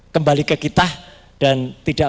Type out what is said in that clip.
kembali ke kita dan tidak